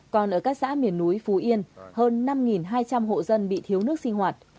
còn ở các xã miền núi phú yên hơn năm hai trăm linh hộ dân bị thiếu nước sinh hoạt